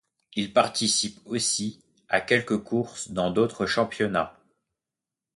Il participe aussi à quelques courses dans d'autres championnats.